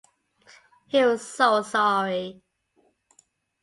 He was so sorry.